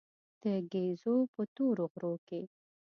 د ګېزو په تورو غرو کې.